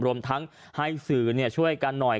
รวมทั้งให้สื่อช่วยกันหน่อย